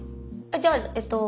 じゃあえっと